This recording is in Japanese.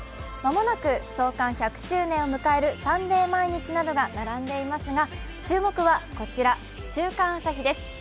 間もなく創刊１００周年を迎える「サンデー毎日」などが並んでいますが注目はこちら、「週刊朝日」です。